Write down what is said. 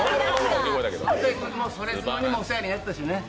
「それスノ」でもお世話になったしね。